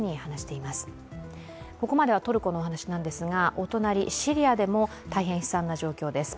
お隣、シリアでも大変悲惨な状況です。